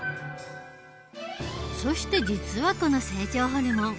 そして実はこの成長ホルモン